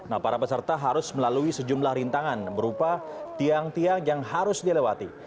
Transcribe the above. nah para peserta harus melalui sejumlah rintangan berupa tiang tiang yang harus dilewati